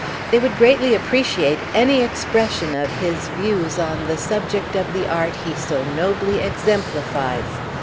They would greatly appreciate any expression of his views on the subject of the art he so nobly exemplifies.